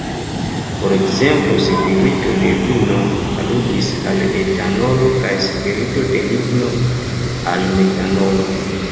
Por ekzemplo "spirito de vino" aludis al etanolo, kaj "spirito de ligno" al metanolo.